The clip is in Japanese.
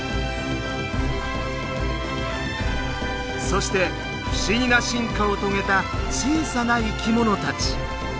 そして不思議な進化を遂げた小さな生き物たち。